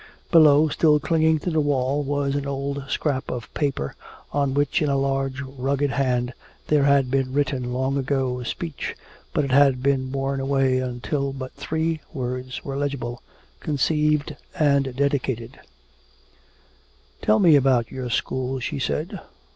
Below, still clinging to the wall, was an old scrap of paper, on which in a large rugged hand there had been written long ago a speech, but it had been worn away until but three words were legible "conceived and dedicated " "Tell me about your school," she said.